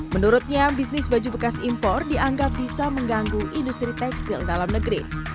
menurutnya bisnis baju bekas impor dianggap bisa mengganggu industri tekstil dalam negeri